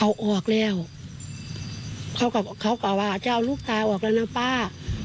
เอาออกแล้วเขาก็เขาก็ว่าจะเอาลูกตาออกแล้วนะป้า